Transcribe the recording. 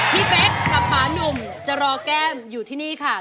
เป๊กกับป่านุ่มจะรอแก้มอยู่ที่นี่ค่ะ